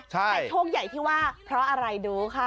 แต่โชคใหญ่ที่ว่าเพราะอะไรดูค่ะ